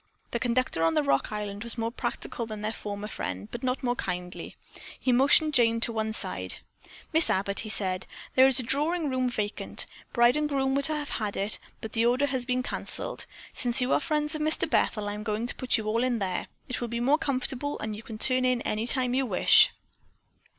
The conductor on the Rock Island was more practical than their former friend, but not more kindly. He motioned Jane to one side. "Miss Abbott," he said, "there is a drawing room vacant. Bride and groom were to have had it, but the order has been canceled. Since you are friends of Mr. Bethel, I'm going to put you all in there. It will be more comfortable, and you can turn in any time you wish."